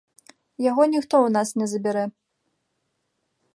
Яго ніхто ў нас не забярэ.